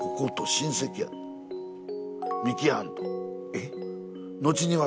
えっ？